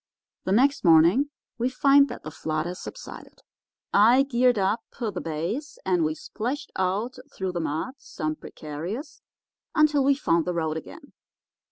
"The next morning we find that the flood has subsided. I geared up the bays, and we splashed out through the mud, some precarious, until we found the road again.